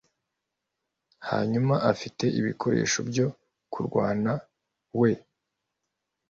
Hanyuma afite ibikoresho byo kurwana we